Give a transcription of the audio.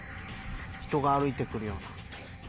人が歩いて来るような。